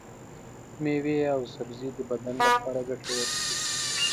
ميوې او سبزي د بدن لپاره ګټورې دي.